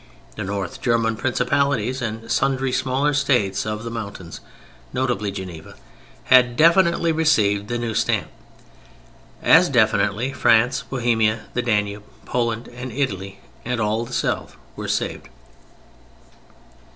The North German Principalities and sundry smaller states of the mountains (notably Geneva), had definitely received the new stamp. As definitely France, Bohemia, the Danube, Poland and Italy and all the South were saved.